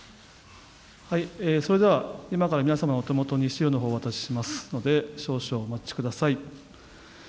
それでは、今から皆様のお手元に資料をお渡ししますので、少々お待ちください。